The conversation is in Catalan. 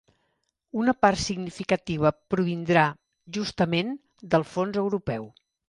Una part significativa provindrà, justament, del fons europeu.